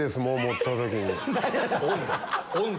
温度！